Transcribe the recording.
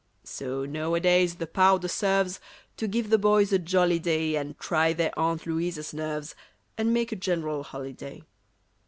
So nowadays the powder serves To give the boys a jolly day And try their Aunt Louisa's nerves, And make a general holiday.